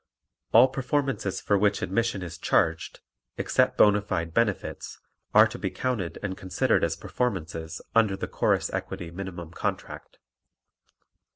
All performances for which admission is charged (except bona fide benefits) are to be counted and considered as performances under the Chorus Equity Minimum Contract.